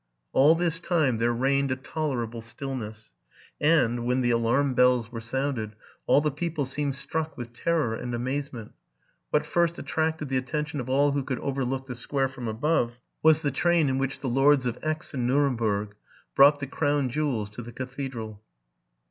All this time there reigned a tolerable stillness ; and, when the alarm bells were sounded, all the people seemed struck with terror and amazement. What first attracted the atten tion of all who could overlook the square from above, was the train in which the lords of Aix and Nuremberg brought the crown jewels to the cathedral.